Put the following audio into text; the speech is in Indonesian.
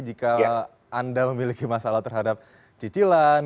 jika anda memiliki masalah terhadap cicilan